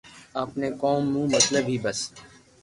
آپ ني ڪوم ميون مطلب ھي بس